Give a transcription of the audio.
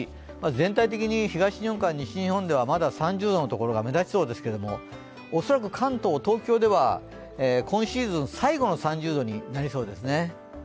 全体的に東日本から西日本はまだ３０度のところが目立ちそうですけれども、恐らく関東・東京では今シーズン最後の３０度になりそうですね。